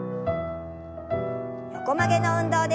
横曲げの運動です。